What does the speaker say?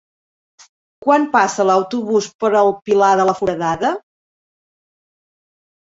Quan passa l'autobús per el Pilar de la Foradada?